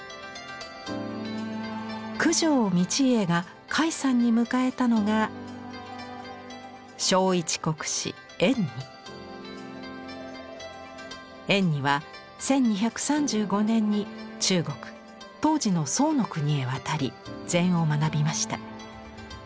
九条道家が開山に迎えたのが円爾は１２３５年に中国当時の宋の国へ渡り禅を学びました。